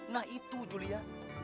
nah itu julia